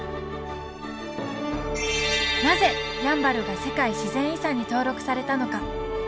なぜやんばるが世界自然遺産に登録されたのか。